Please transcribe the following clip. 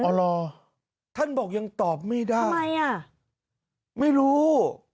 รอท่านบอกยังตอบไม่ได้ทำไมอ่ะไม่รู้